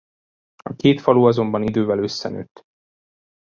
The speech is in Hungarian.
A két falu azonban idővel összenőtt.